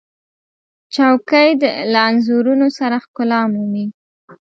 چوکۍ له انځورونو سره ښکلا مومي.